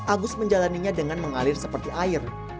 agus menjalannya dengan mengalir seperti air